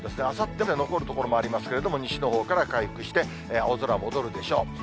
あさってまで残る所もありますけれども、西のほうから回復して、青空戻るでしょう。